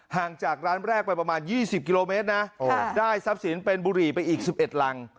ห่างจากร้านแรกไปประมาณ๒๐กิโลเมตรนะได้ทรัพย์สินเป็นบุหรี่ไปอีก๑๑รัง